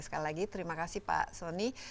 sekali lagi terima kasih pak soni